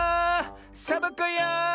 サボ子よ！